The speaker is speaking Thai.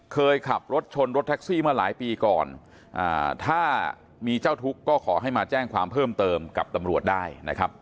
เคยขับรถชนรถแท็กซี่เมื่อหลายปีก่อนถ้ามีเจ้าทุกข์ก็ขอให้มาแจ้งความเพิ่มเติมกับตำรวจได้นะครับ